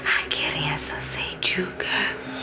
akhirnya selesai juga